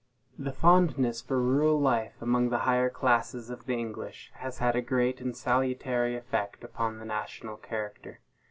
The fondness for rural life among the higher classes of the English has had a great and salutary effect upon the national character.